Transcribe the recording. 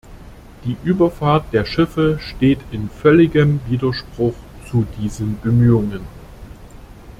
Die Überfahrt der Schiffe steht in völligem Widerspruch zu diesen Bemühungen.